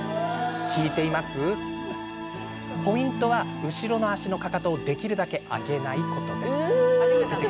ポイントは後ろの足のかかとをできるだけ上げないことです。